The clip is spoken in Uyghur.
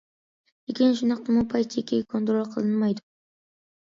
لېكىن شۇنداقتىمۇ، پاي چېكى كونترول قىلىنمايدۇ.